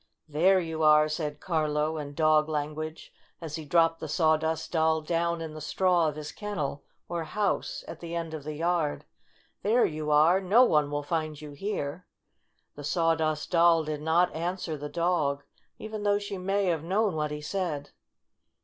" There you are!" said Carlo, in dog language, as he dropped the Sawdust Doll down in the straw of his kennel, or house, at the end of the yard. " There you are! No one will find you here !" The Sawdust Doll did not answer the dog, even though she may have known what he said.